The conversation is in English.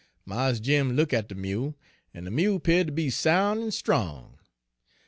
Mars Jim look' at de mule, en de mule 'peared ter be soun' en strong.